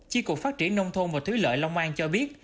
chi cục phát triển nông thôn và thúy lợi long an cho biết